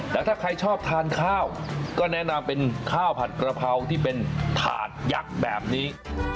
แล้วถ้าใครชอบทานข้าวก็แนะนำเป็นข้าวผัดกระเพราที่เป็นถาดยักษ์แบบนี้